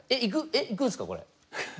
えっ行くんすかこれ？